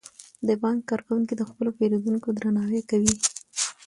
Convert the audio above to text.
د بانک کارکوونکي د خپلو پیرودونکو درناوی کوي.